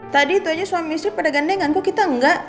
tadi itu aja suami istri pada gandenganku kita enggak